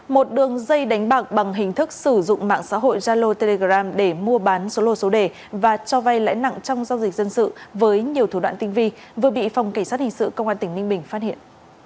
một đường dây đánh bạc bằng hình thức sử dụng mạng xã hội zalo telegram để mua bán số lô số đề và cho vay lãi nặng trong giao dịch dân sự với nhiều thủ đoạn tinh vi vừa bị phòng cảnh sát hình sự công an tỉnh ninh bình phát hiện